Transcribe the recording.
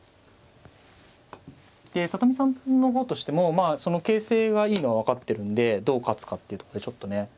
で里見さんの方としても形勢がいいのは分かってるんでどう勝つかっていうとこでちょっとね。